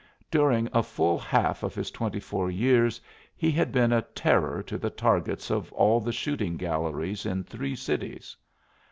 During a full half of his twenty four years he had been a terror to the targets of all the shooting galleries in three cities.